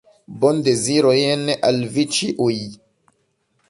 Bondezirojn al vi ĉiuj!